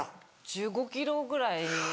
１５キロぐらい。